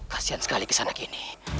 kasian sekali kesana gini